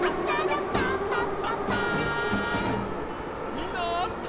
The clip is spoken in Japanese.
みんなっ！